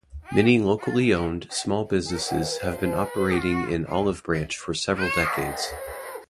Many locally owned, small businesses have been operating in Olive Branch for several decades.